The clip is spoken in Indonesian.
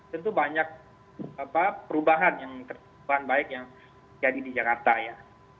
tentu banyak perubahan yang terjadi di jakarta ya